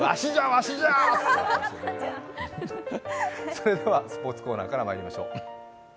それではスポーツコーナーからまいりましょう。